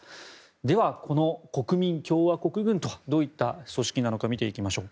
では、この国民共和国軍はどういった組織なのか見ていきましょう。